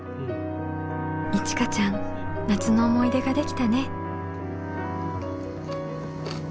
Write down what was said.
いちかちゃん夏の思い出ができたね。